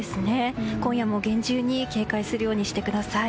今夜も厳重に警戒するようにしてください。